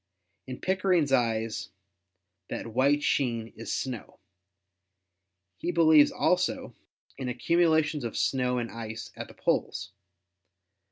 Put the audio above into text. In Pickering's eyes that white sheen is snow. He believes also in ac cumulations of snow and ice at the poles.